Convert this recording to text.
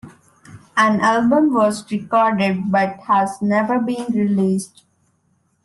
An album was recorded but has never been released.